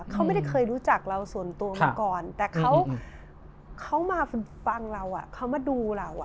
เขาไม่ได้เคยรู้จักเราส่วนตัวมาก่อนแต่เขามาฟังเราเขามาดูเรา